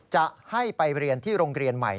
จะให้ไปเรียนที่โรงเรียนใหม่